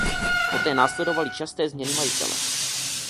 Poté následovaly časté změny majitele.